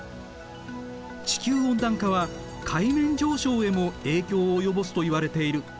地球温暖化は海面上昇へも影響を及ぼすといわれている。